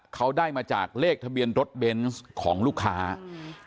เขาได้มาจากเลขทะเบียนรถเบนส์ของลูกค้าอืม